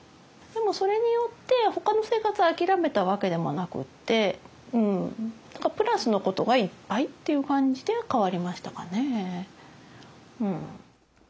でもそれによってほかの生活を諦めたわけでもなくってうんプラスのことがいっぱいっていう感じで変わりましたかね。